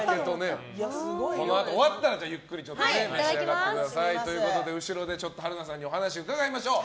終わったらゆっくり召し上がってください。ということで後ろで春菜さんにお話を伺いましょう。